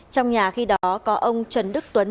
trong nhà khi đó có ông trần đức tuấn